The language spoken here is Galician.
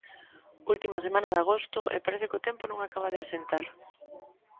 Última semana de agosto e parece que o tempo non acaba de asentar.